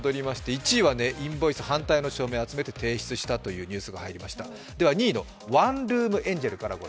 １位はインボイス制度反対の署名を集めて提出したというニュースが入りました。